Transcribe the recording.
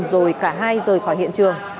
rồi cả hai rời khỏi hiện trường